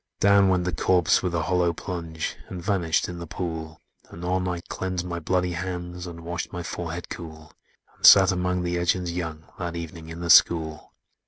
"Down went the corse with a hollow plunge, And vanished in the pool; Anon I cleansed my bloody hands, And washed my forehead cool, And sat among the urchins young, That evening in the school.